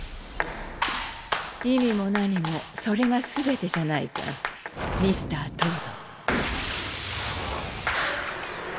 意味も何もそれが全てじゃないかミスター東堂。